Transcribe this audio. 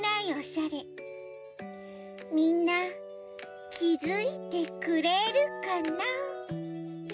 みんなきづいてくれるかな？